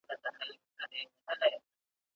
¬ څه خوره، څه پرېږده.